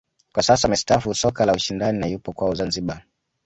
Kwa sasa amestaafu soka la ushindani na yupo kwao Zanzibar